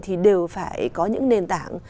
thì đều phải có những nền tảng